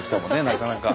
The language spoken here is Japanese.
なかなか。